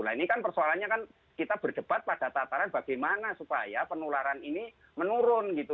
nah ini kan persoalannya kan kita berdebat pada tataran bagaimana supaya penularan ini menurun gitu